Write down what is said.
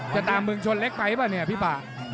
จะตามเมืองชนเล็กไปป่ะเนี่ยพี่ป่า